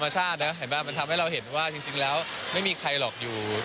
จริงแล้วไม่มีใครหรอกอยู่